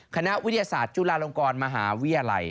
คณะวิทยาศาสตร์จุฬาลงกรมหาวิทยาลัย